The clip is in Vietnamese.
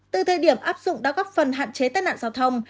từ thời điểm áp dụng đã góp phần hạn chế tai nạn giao thông